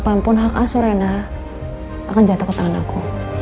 kapanpun hak asur rena akan jatuh ke tangan aku